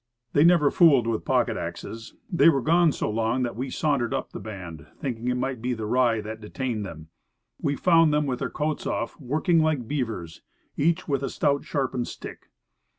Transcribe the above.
They never fooled with pocket axes. They were gone so long that we sauntered up the bank, thinking it might be the rye that detained them. We found them with their coats off, working like beavers, each with a stout, sharpened stick.